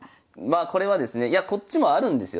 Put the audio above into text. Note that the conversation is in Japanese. これはですねいやこっちもあるんですよ。